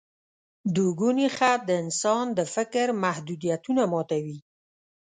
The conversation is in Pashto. دوګوني خط د انسان د فکر محدودیتونه ماتوي.